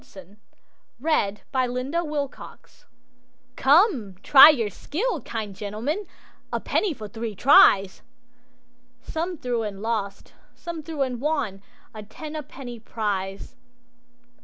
W X . Y Z The Gipsy Girl "COME, try your skill, kind gentlemen, A penny for three tries!" Some threw and lost, some threw and won A ten a penny prize.